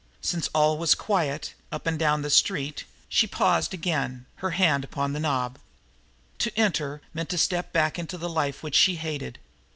Since all was quiet, up and down the street, she paused again, her hand upon the knob. To enter meant to step back into the life which she hated.